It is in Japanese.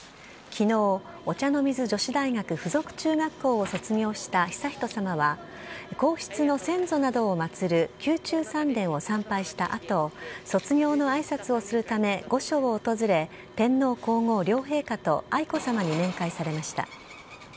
昨日お茶の水女子大学附属中学校を卒業した悠仁さまは皇室の先祖などを祭る宮中三殿を参拝した後卒業の挨拶をするため御所を訪れ天皇皇后両陛下と愛子さまに面会されました。